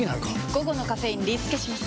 午後のカフェインリスケします！